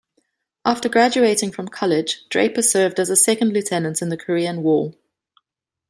After graduating from college, Draper served as a second lieutenant in the Korean War.